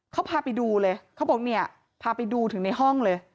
เขาพาไปดูเลยเขาบอกเนี่ยพาไปดูถึงในห้องเลย